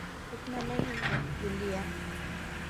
— Әйтмә лә инде, Юлия.